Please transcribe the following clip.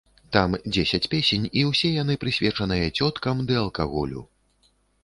Там дзесяць песень і ўсе яны прысвечаныя цёткам ды алкаголю.